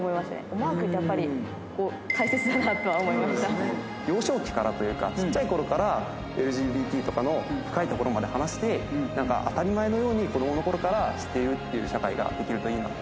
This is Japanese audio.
マークってやっぱり、大切だなと幼少期からというか、ちっちゃいころからＬＧＢＴとかの深いところまで話して、なんか当たり前のように、子どものころからしているという社会がくればいいなと。